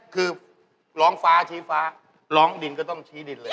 คือร้องฟ้าชี้ฟ้าร้องดินก็ต้องชี้ดินเลย